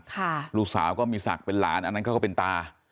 ลูกสาวก็มีศักดิ์เป็นหลานอันนั้นเขาก็เป็นตา